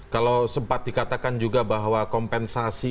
kalau sempat dikatakan juga bahwa kompensasi